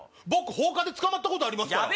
放火で捕まったことありますから。